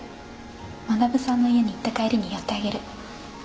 学さんの家に行った帰りに寄ってあげる。